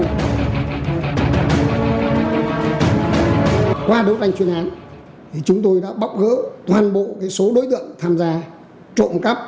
qua đấu tranh chuyên án chúng tôi đã bóc gỡ toàn bộ số đối tượng tham gia trộm cắp